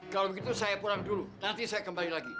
kalau begitu saya pulang dulu nanti saya kembali lagi